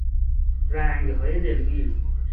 رنگهای دلگیر